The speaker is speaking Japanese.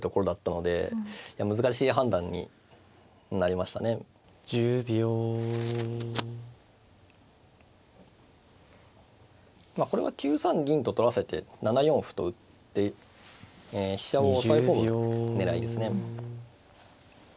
まあこれは９三銀と取らせて７四歩と打って飛車を押さえ込む狙いですね。